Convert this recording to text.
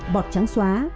bọt trắng xóa